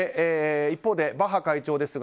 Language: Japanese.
一方でバッハ会長